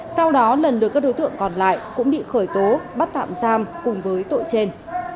sau đó lần lượt các đối tượng còn lại cũng bị khởi tố bắt tạm giam cùng với tội trên